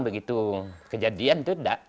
begitu kejadian itu tidak